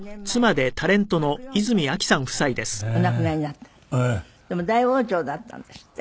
でも大往生だったんですって？